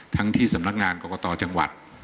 ทั้งที่สำนักงานกรกตจังหวัด